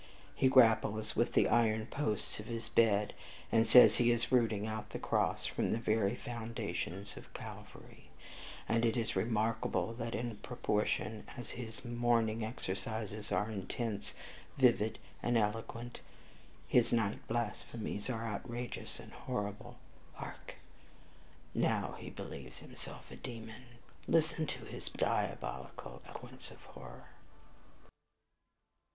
He grapples with the iron posts of his bed, and says he is rooting out the cross from the very foundations of Calvary; and it is remarkable, that in proportion as his morning exercises are intense, vivid, and eloquent, his nightly blasphemies are outrageous and horrible. Hark! Now he believes himself a demon; listen to his diabolical eloquence of horror!"